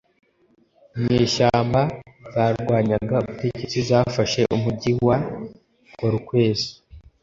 inyeshyambazarwanyaga ubutegetsi zafashe umujyi wwa Kolkwezi